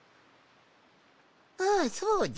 ああそうじゃ